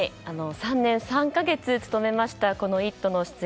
３年３か月務めました「イット！」の出演